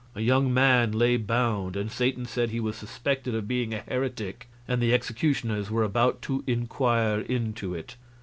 A young man lay bound, and Satan said he was suspected of being a heretic, and the executioners were about to inquire into it.